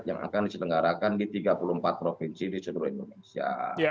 yang akan diselenggarakan di tiga puluh empat provinsi di seluruh indonesia